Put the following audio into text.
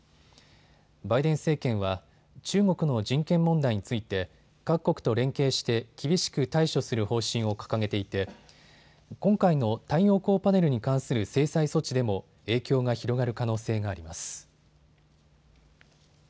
バイデン政権は中国の人権問題について各国と連携して厳しく対処する方針を掲げていて今回の太陽光パネルに関する制裁措置でも影響が広がる可能性があります。